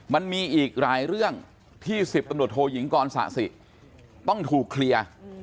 มันมีอีกหลายเรื่องที่๑๐ตำรวจโทยิงกรสะสิต้องถูกเคลียร์